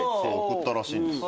送ったらしいんですよ。